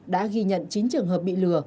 đã ghi nhận chín trường hợp bị lừa